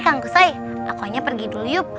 kanku soya aku hanya pergi dulu yuk